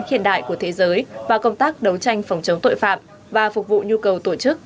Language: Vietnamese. hiện đại của thế giới và công tác đấu tranh phòng chống tội phạm và phục vụ nhu cầu tổ chức